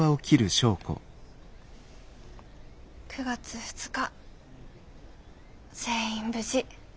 ９月２日全員無事。